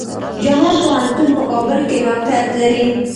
جهان پوهنتون په کابل کې موقيعت لري.